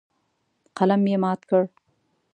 قلم یې مات کړ.